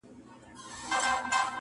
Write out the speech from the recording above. • د ژورو اوبو غېږ کي یې غوټې سوې -